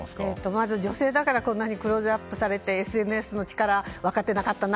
まず女性だからこんなにクローズアップされてＳＮＳの力、分かってなかったな。